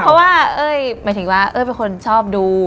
เพราะว่าเอ้ยหมายถึงว่าเอ้ยเป็นคนชอบดู